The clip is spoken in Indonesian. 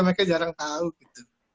mereka jarang tahu gitu